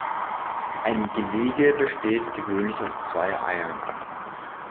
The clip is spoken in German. Ein Gelege besteht gewöhnlich aus zwei Eiern.